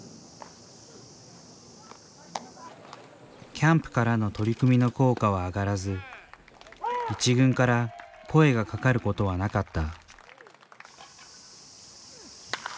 キャンプからの取り組みの効果は上がらず１軍から声がかかることはなかった。